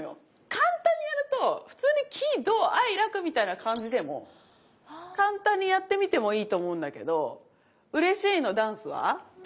簡単にやると普通に喜・怒・哀・楽みたいな感じでも簡単にやってみてもいいと思うんだけどうれしいの「ｄａｎｃｅ」は？え？